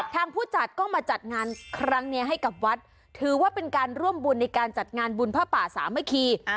ผู้จัดก็มาจัดงานครั้งนี้ให้กับวัดถือว่าเป็นการร่วมบุญในการจัดงานบุญพระป่าสามัคคี